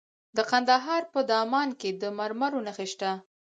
د کندهار په دامان کې د مرمرو نښې شته.